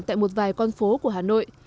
tại một vài con phố của hà nội